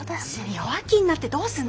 弱気になってどうすんの！